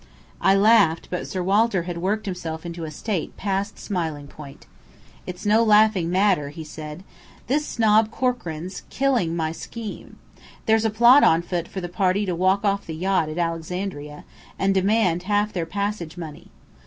I laughed, but Sir Walter had worked himself into a state past smiling point. "It's no laughing matter," he said, "This snob Corkran's killing my scheme. There's a plot on foot for the party to walk off the yacht at Alexandria, and demand half their passage money.